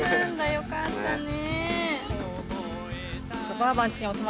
よかったね。